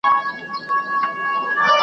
هغه ژړ مازیګری دی هغه ډلي د زلمیو .